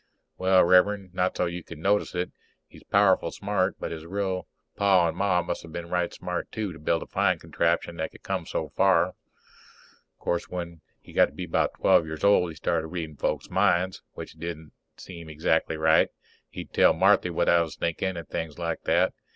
_ Well, Rev'rend, not so's you could notice it. He's powerful smart, but his real Pa and Ma must have been right smart too to build a flying contraption that could come so far. O'course, when he were about twelve years old he started reading folks' minds, which didn't seem exactly right. He'd tell Marthy what I was thinkin' and things like that.